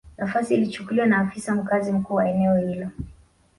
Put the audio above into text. Nafasi ilichukuliwa na afisa mkazi mkuu wa eneo hilo